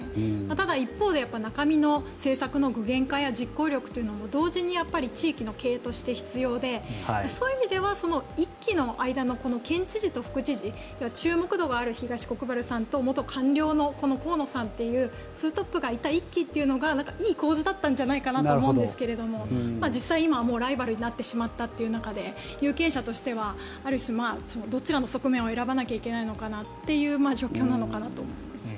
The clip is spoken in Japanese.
ただ、一方で中身の政策の具現化や実行力というのは同時に地域の経営として必要でそういう意味では１期の間の県知事と副知事注目度がある東国原さんと元官僚の河野さんというツートップがいた１期というのがいい構図だったんじゃないかなと思うんですけど実際、今、もうライバルになってしまったという中で有権者としてはある種どちらの側面を選ばなければいけないのかという状況なのかなと思いますね。